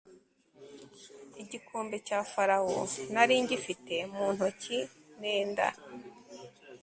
igikombe cya farawo nari ngifite mu ntoki nenda